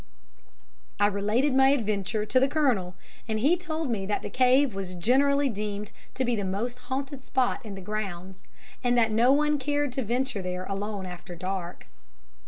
I related my adventure to the Colonel, and he told me that the cave was generally deemed to be the most haunted spot in the grounds, that no one cared to venture there alone after dark.